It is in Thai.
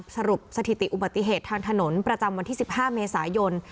สถิติอุบัติเหตุทางถนนประจำวันที่๑๕เมษายน